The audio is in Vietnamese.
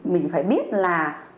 mình phải biết là